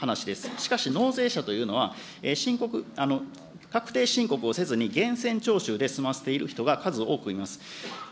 しかし納税者というのは、申告、確定申告をせずに、源泉徴収で済ませている人が数多くいます。